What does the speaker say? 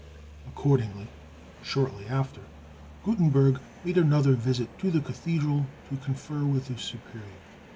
Accordingly, shortly after, Gutenberg made another visit to the Cathedral to confer with the Superior.